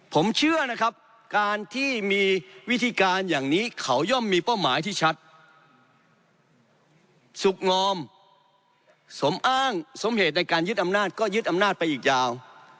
ผมเชื่อนะครับการที่มีวิธีการอย่างนี้เขาย่อมมีเป้าหมายที่ชัดสุขงอมสมอ้างสมเหตุในการยึดอำนาจก็ยึดอำนาจไปอีกยาว